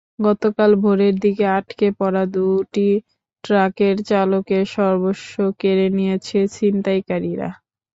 গতকাল ভোরের দিকে আটকে পড়া দুটি ট্রাকের চালকের সর্বস্ব কেড়ে নিয়েছে ছিনতাইকারীরা।